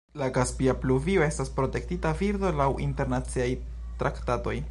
La kaspia pluvio estas protektita birdo laŭ internaciaj traktatoj.